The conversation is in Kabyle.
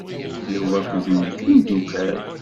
Yuba akked nekk d imdukal.